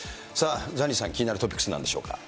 ザニーさん、気になるトピックス、なんでしょうか。